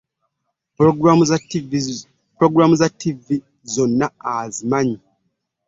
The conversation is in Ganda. Pulogulamu za ttiivi zonna azimanyi.